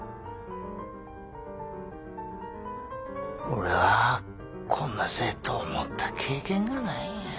俺はこんな生徒を持った経験がないんや。